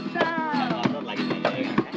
jadi buannya menyusah